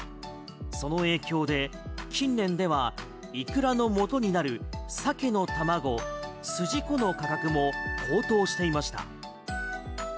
その影響で近年ではイクラのもとになるサケの卵すじこの価格も高騰していました。